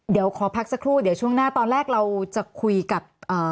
เดี๋ยวขอพักสักครู่เดี๋ยวช่วงหน้าตอนแรกเราจะคุยกับเอ่อ